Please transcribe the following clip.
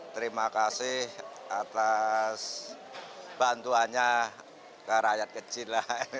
terima kasih atas bantuannya ke rakyat kecil